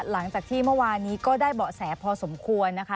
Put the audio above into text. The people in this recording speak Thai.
หลังจากที่เมื่อวานนี้ก็ได้เบาะแสพอสมควรนะคะ